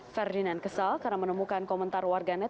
ferdinand kesal karena menemukan komentar warganet